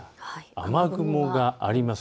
雨雲があります。